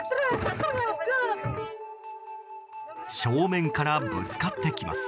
正面からぶつかってきます。